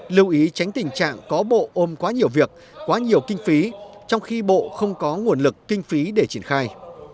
lưu ý tránh tình trạng có bộ ôm quá nhiều việc quá nhiều kinh phí trong khi bộ không có nguồn lực kinh phí để triển khai